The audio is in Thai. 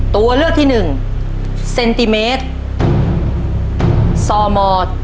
ตัวเลือกที่๑เซนติเมตรซม